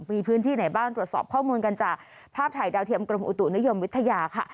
มีพื้นที่ไหนบ้างตรวจสอบข้อมูลกันจากภาพถ่ายดาวเทียมกรมอุตุนิยมวิทยาค่ะ